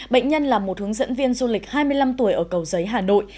bệnh nhân là một hướng dẫn viên du lịch hai mươi năm tuổi ở cầu giấy hà nội